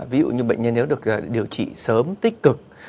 ví dụ như bệnh nhân nếu được điều trị sớm tích cực